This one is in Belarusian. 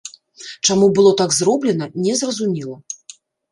Чаму было так зроблена, незразумела.